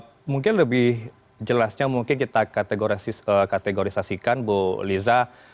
oke mungkin lebih jelasnya mungkin kita kategorisasikan bu liza